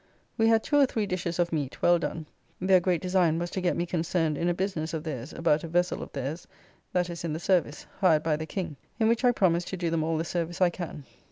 We had two or three dishes of meat well done; their great design was to get me concerned in a business of theirs about a vessel of theirs that is in the service, hired by the King, in which I promise to do them all the service I can.